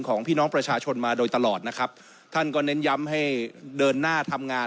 ของพี่น้องประชาชนมาโดยตลอดนะครับท่านก็เน้นย้ำให้เดินหน้าทำงาน